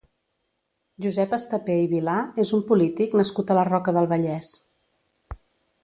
Josep Estapé i Vilà és un polític nascut a la Roca del Vallès.